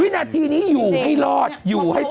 วินาทีนี้อยู่ให้รอดอยู่ให้